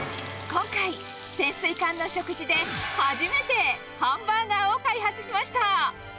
今回、潜水艦の食事で、初めてハンバーガーを開発しました。